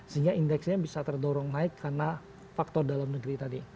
sehingga indeksnya bisa terdorong naik karena faktor dalam negeri tadi